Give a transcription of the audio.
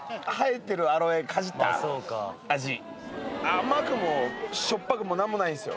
甘くもしょっぱくも何もないんすよ。